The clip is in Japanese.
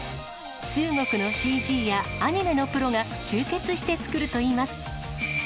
中国のＣＧやアニメのプロが集結して作るといいます。